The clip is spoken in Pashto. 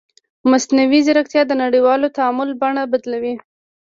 مصنوعي ځیرکتیا د نړیوال تعامل بڼه بدلوي.